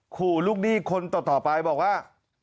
ขู่ลูกหนี้คนต่อไปบอกว่า